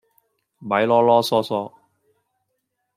咪嚕嚕囌囌